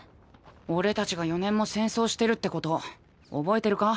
俺たちが４年も戦争してるってこと覚えてるか？